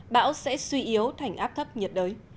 bão sẽ suy yếu thành áp thấp nhiệt đới